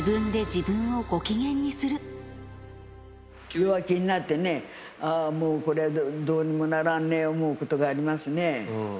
弱気になってね、ああ、もう、これはどうにもならんね、思うことがありますね。